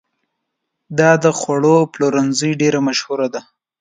دا د خوړو پلورنځی ډېر مشهور دی.